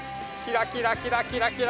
キラキラキラキラ